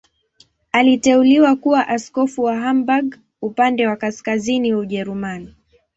Aliteuliwa kuwa askofu wa Hamburg, upande wa kaskazini wa Ujerumani.